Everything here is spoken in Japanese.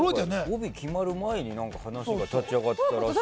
帯、決まる前に話が立ち上がってたらしいよ。